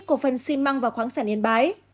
của phần xi măng và khoáng sản yên bái